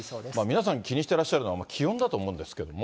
皆さん、気にしてらっしゃるのは気温だと思いますけれども。